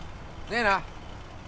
ねえな？